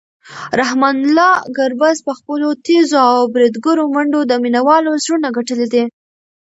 رحمان الله ګربز په خپلو تېزو او بریدګرو منډو د مینوالو زړونه ګټلي دي.